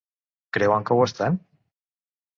Creuen que ho estan?